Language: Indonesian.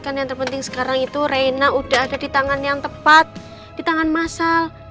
kan yang terpenting sekarang itu reina udah ada di tangan yang tepat di tangan massal